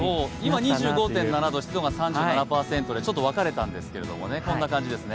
今２５．７度、湿度が３７％でちょっと分かれたんですけれどもこんな感じですね。